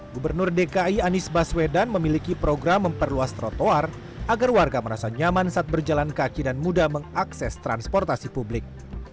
gubernur dki anies baswedan memiliki program memperluas trotoar agar warga merasa nyaman saat berjalan kaki dan mudah mengakses transportasi publik